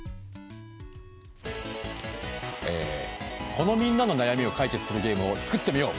このみんなの悩みを解決するゲームを創ってみよう！